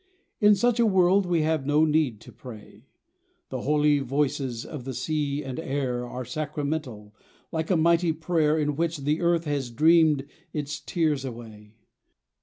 In such a world we have no need to pray ; The holy voices of the sea and air Are sacramental, like a mighty prayer In which the earth has dreamed its tears away.